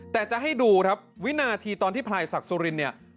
แต่จะให้ดูครับวินาทีตอนที่พลายศักดิ์สุรินเนี่ย